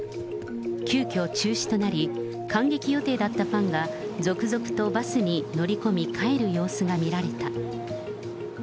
急きょ、中止となり、観劇予定だったファンが続々とバスに乗り込み、帰る様子が見られた。